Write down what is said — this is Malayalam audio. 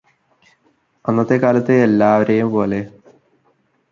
അന്നത്തെക്കാലത്ത് എല്ലാവരെയും പോലെ